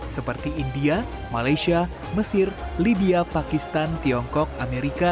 seperti india malaysia mesir libya pakistan tiongkok amerika